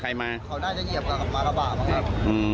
เขาน่าจะเหยียบก่อนขับมาแล้วบ่าบ้าง